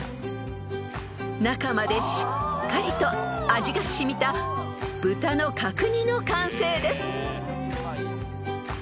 ［中までしっかりと味が染みた豚の角煮の完成です］